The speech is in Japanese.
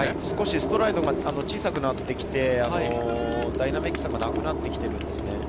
少しストライドが小さくなってきてダイナミック差がなくなってきているんですね。